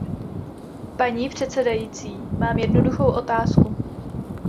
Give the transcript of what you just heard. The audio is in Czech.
Paní předsedající, mám jednoduchou otázku.